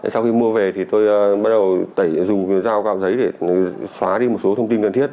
sau khi mua về thì tôi bắt đầu tẩy dùng dao vào giấy để xóa đi một số thông tin cần thiết